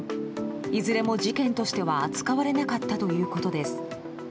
いずれも事件としては扱われなかったということです。